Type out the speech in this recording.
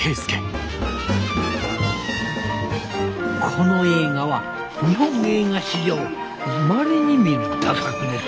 「この映画は日本映画史上まれに見る駄作です。